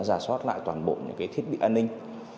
giả soát lại toàn bộ những cái thiết bị an ninh